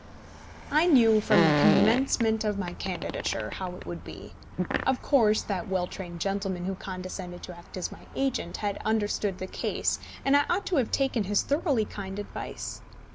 I knew, from the commencement of my candidature, how it would be. Of course that well trained gentleman who condescended to act as my agent, had understood the case, and I ought to have taken his thoroughly kind advice.